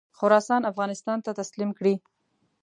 خراسان افغانستان ته تسلیم کړي.